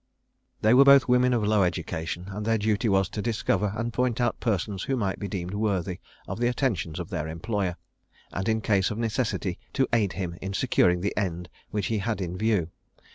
They were both women of low education, and their duty was to discover and point out persons who might be deemed worthy of the attentions of their employer, and in case of necessity to aid him in securing the end which he had in view.